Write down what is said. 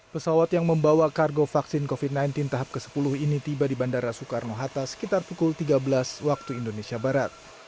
pesawat yang membawa kargo vaksin covid sembilan belas tahap ke sepuluh ini tiba di bandara soekarno hatta sekitar pukul tiga belas waktu indonesia barat